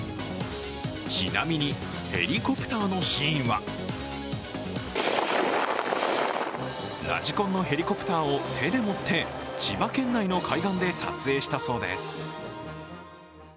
ちなみにヘリコプターのシーンはラジコンのヘリコプターを手で持って千葉県内の海岸で撮影したそうです。